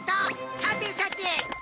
はてさて！